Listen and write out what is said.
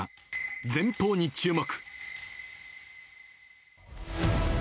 前方に注目。